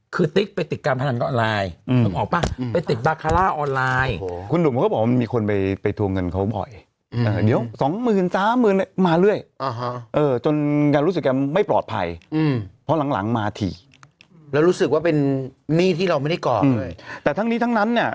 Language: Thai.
คุณหนุ่มแกก็บอกว่า